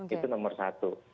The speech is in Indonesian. itu nomor satu